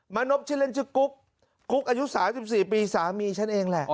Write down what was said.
นบชื่อเล่นชื่อกุ๊กกุ๊กอายุ๓๔ปีสามีฉันเองแหละ